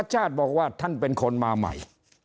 ชาติบอกว่าท่านเป็นคนมาใหม่